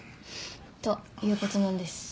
ということなんです。